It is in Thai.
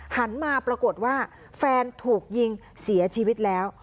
หันมาปรากฏว่าแฟนถูกยิงเสียชีวิตแล้ว